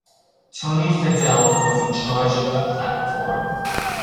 Tony Fadell was in charge of the platform.